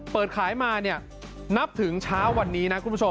เปิดขายมานับถึงเช้าวันนี้นะ